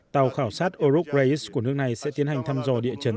tàu khảo sát oruc reis của nước này sẽ tiến hành thăm dò địa chấn